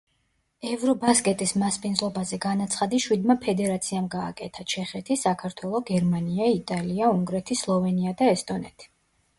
ევრობასკეტის მასპინძლობაზე განაცხადი შვიდმა ფედერაციამ გააკეთა: ჩეხეთი, საქართველო, გერმანია, იტალია, უნგრეთი, სლოვენია და ესტონეთი.